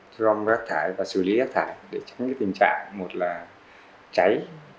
thu gom rác thải và xử lý rác thải để tránh cái tình trạng một là cháy